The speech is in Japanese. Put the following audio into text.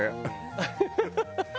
ハハハハ！